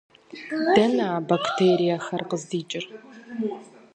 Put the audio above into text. Дэнэ а бактериехэр къыздикӏыр?